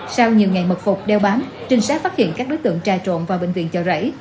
sau nhiều ngày mật phục đeo bám trinh sát phát hiện các đối tượng trà trộn vào bệnh viện chợ rẫy